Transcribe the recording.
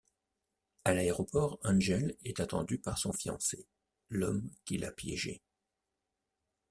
À l’aéroport, Angel est attendue par son fiancé, l’homme qui l’a piégé.